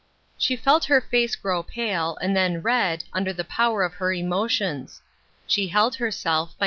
She felt her face grow pale, and then red, under the power of her emotions. She held herself, by AT HOME.